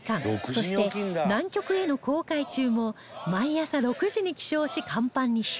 そして南極への航海中も毎朝６時に起床し甲板に集合